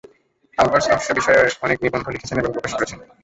আলবার্স নকশা বিষয়ে অনেক নিবন্ধ লিখেছেন এবং প্রকাশ করেছেন।